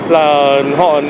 là họ đi lại liên tục